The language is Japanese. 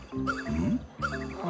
うん？